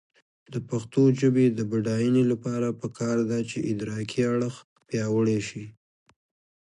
د پښتو ژبې د بډاینې لپاره پکار ده چې ادراکي اړخ پیاوړی شي.